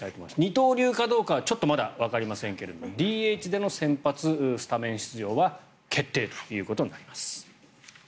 二刀流かどうかはちょっとまだわかりませんがＤＨでの先発スタメン出場は決定ということになります。